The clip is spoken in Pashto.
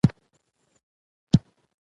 د پیرود ځای ته د خلکو تګ راتګ دوام درلود.